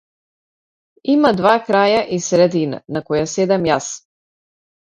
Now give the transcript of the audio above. Има два краја и средина на која седам јас.